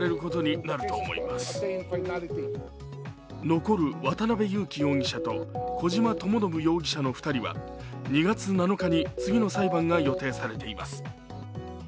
残る渡辺勇樹容疑者と小島智信容疑者の２人は２月７日に次の裁判が予定されています。